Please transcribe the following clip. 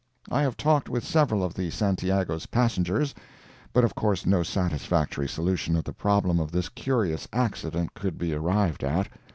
I have talked with several of the Santiago's passengers, but of course no satisfactory solution of the problem of this curious accident could be arrived at.